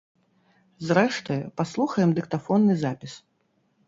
Зрэшты, паслухаем дыктафонны запіс.